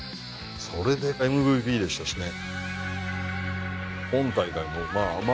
それでＭＶＰでしたしね。